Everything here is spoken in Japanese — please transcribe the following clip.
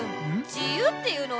じゆうっていうのはね